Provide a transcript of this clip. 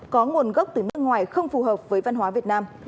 có nguồn gốc từ nước ngoài không phù hợp với văn hóa việt nam